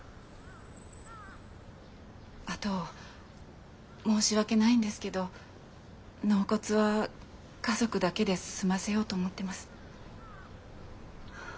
あと申し訳ないんですけど納骨は家族だけで済ませようと思ってます。